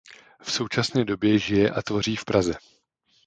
V současné době žije a tvoří v Praze.